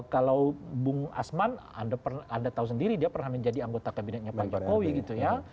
kalau bung asman anda tahu sendiri dia pernah menjadi anggota kabinetnya pak jokowi gitu ya